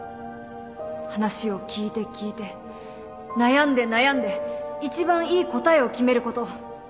話を聞いて聞いて悩んで悩んで一番いい答えを決めること。